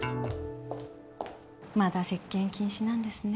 まだ接見禁止なんですね